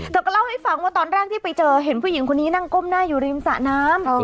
เธอก็เล่าให้ฟังว่าตอนแรกที่ไปเจอเห็นผู้หญิงคนนี้นั่งก้มหน้าอยู่ริมสระน้ำ